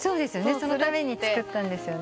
そのために作ったんですよね？